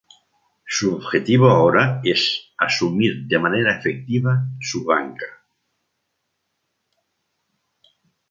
Su objetivo ahora es asumir de manera efectiva su banca.